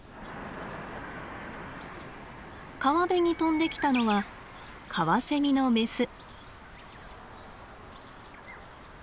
川辺に飛んできたのはカワセミのメス。